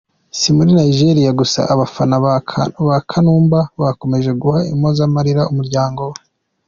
Si muri Nijeriya gusa abafana ba Kanumba bakomeje guha impozamarira umuryango we.